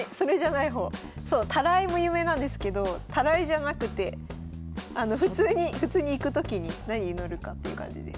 たらいも有名なんですけどたらいじゃなくて普通に行くときに何に乗るかっていう感じです。